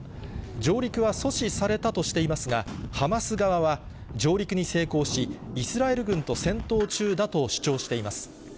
上陸は阻止されたとしていますが、ハマス側は、上陸に成功し、イスラエル軍と戦闘中だと主張しています。